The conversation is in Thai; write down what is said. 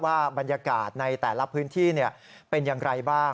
ว่าบรรยากาศในแต่ละพื้นที่เป็นอย่างไรบ้าง